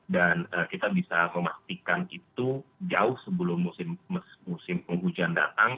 dan kita bisa memastikan itu jauh sebelum musim penghujan datang